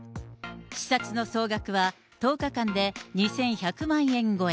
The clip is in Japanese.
視察の総額は１０日間で２１００万円超え。